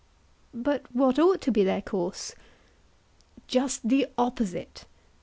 But what ought to be their course? Just the opposite.